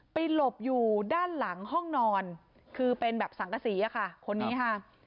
หลบอยู่ด้านหลังห้องนอนคือเป็นแบบสังกษีอะค่ะคนนี้ค่ะ